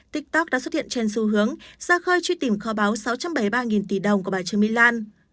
tiktok đã xuất hiện trên xu hướng ra khơi truy tìm kho báo sáu trăm bảy mươi ba tỷ đồng của bà trương mỹ lan